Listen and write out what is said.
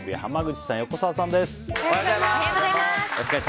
火曜日は濱口さん、横澤さんです。